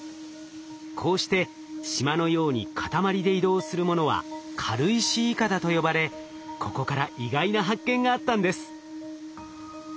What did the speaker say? こうして島のように塊で移動するものは「軽石いかだ」と呼ばれここから意外な発見があったんです。